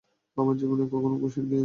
আমি জীবনে কখনো ঘুষ নিইনি।